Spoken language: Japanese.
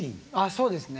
そうですね。